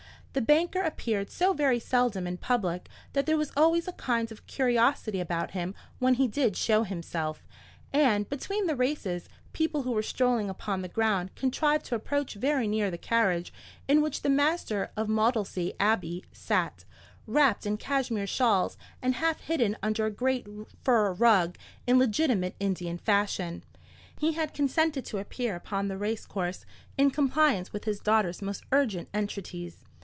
The banker appeared so very seldom in public that there was always a kind of curiosity about him when he did show himself; and between the races, people who were strolling upon the ground contrived to approach very near the carriage in which the master of Maudesley Abbey sat, wrapped in Cashmere shawls, and half hidden under a great fur rug, in legitimate Indian fashion. He had consented to appear upon the racecourse in compliance with his daughter's most urgent entreaties.